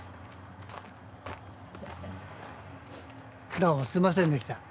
どうもすみませんでした。